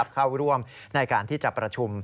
เข้าร่วมในการที่จะประชุม